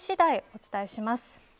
お伝えします。